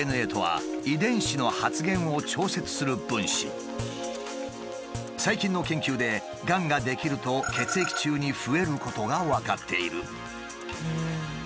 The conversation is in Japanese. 血液から抽出した最近の研究でがんが出来ると血液中に増えることが分かっている。